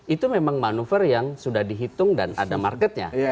itu memang manuver yang sudah dihitung dan ada marketnya